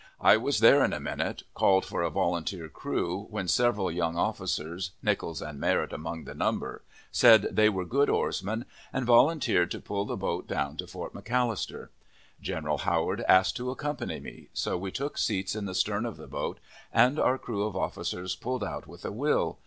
I was there in a minute, called for a volunteer crew, when several young officers, Nichols and Merritt among the number; said they were good oarsmen, and volunteered to pull the boat down to Fort McAllister. General Howard asked to accompany me; so we took seats in the stern of the boat, and our crew of officers pulled out with a will.